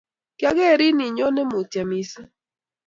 kyageerin inyone Mutyo missing